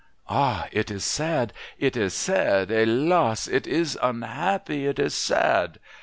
' Ah, it is sad, it is sad ! He'las, it is unhappy, it is sad